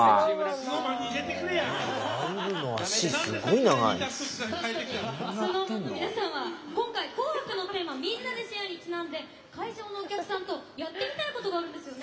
ＳｎｏｗＭａｎの皆さんは今回「紅白」のテーマ「みんなでシェア！」にちなんで会場のお客さんとやってみたいことがあるんですよね？